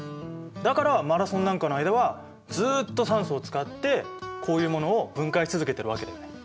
だからマラソンなんかの間はずっと酸素を使ってこういうものを分解し続けてるわけだよね。